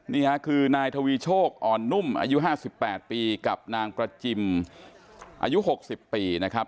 นี่ฮะคือนายทะวิโชคนิ่งอ่อนนุ่มอายุห้าสิบแปดปีกับนางกระจิ่มอายุหกสิบปีนะครับ